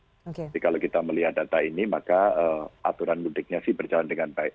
jadi kalau kita melihat data ini maka aturan mudiknya sih berjalan dengan baik